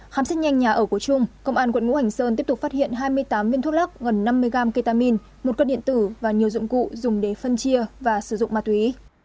khám xét nhanh nhà ở của trung công an quận ngũ hành sơn tiếp tục phát hiện hai mươi tám viên thuốc lắc gần năm mươi gram ketamin một cân điện tử và nhiều dụng cụ dùng để phân chia và sử dụng ma túy